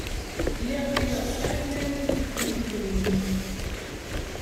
Lliɣ ɣilleɣ sεiɣ ayen ara y-ikfun d idrimen.